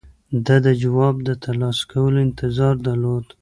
ده د جواب د ترلاسه کولو انتظار درلود.